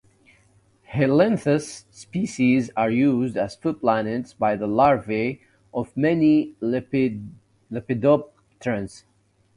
"Helianthus" species are used as food plants by the larvae of many lepidopterans.